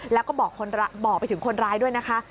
แล้วก็บอกไปถึงคนร้ายด้วยนะคะ